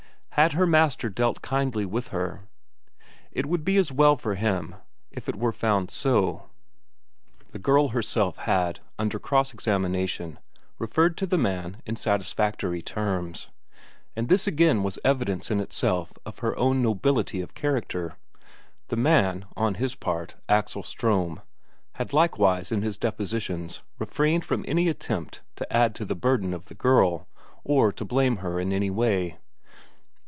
Had her master dealt kindly with her? It would be as well for him if it were found so. The girl herself had, under cross examination, referred to the man in satisfactory terms; and this again was evidence in itself of her own nobility of character. The man, on his part, Axel Ström, had likewise in his depositions refrained from any attempt to add to the burden of the girl, or to blame her in any way.